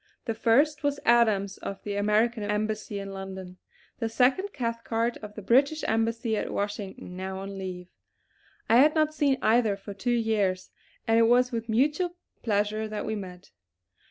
The first was Adams of the American Embassy in London; the second Cathcart of the British Embassy at Washington, now on leave. I had not seen either for two years, and it was with mutual pleasure that we met.